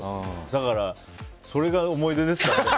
だから、それが思い出ですかね。